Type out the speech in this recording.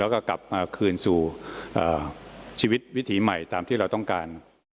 แล้วก็กลับมาคืนสู่ชีวิตวิถีใหม่ตามที่เราต้องการ